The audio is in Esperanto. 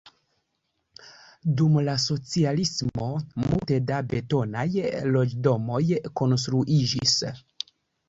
Dum la socialismo multe da betonaj loĝdomoj konstruiĝis.